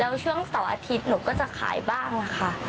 แล้วช่วงเสาร์อาทิตย์หนูก็จะขายบ้างนะคะ